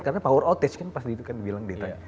karena power outage kan pas itu kan dibilang detailnya